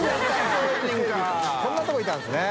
佑こんなとこいたんですね。